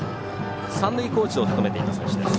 三塁コーチを務めていた選手です。